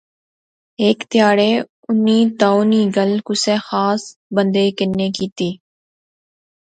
ہیک تہاڑے اُنی تہوں نی گل کُسے خاص بندے کنے کیتی